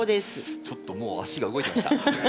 ちょっともう足が動いてました。